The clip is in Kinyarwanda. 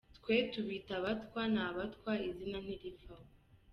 Twe tubita Abatwa, ni Abatwa izina ntirivaho.